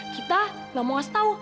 kita nggak mau ngasih tau